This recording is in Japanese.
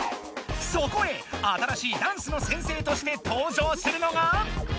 そこへ新しいダンスの先生としてとうじょうするのが。